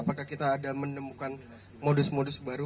apakah kita ada menemukan modus modus baru